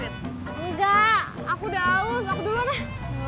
enggak aku udah aus aku duluan lah